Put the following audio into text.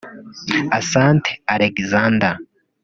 Asante Alexander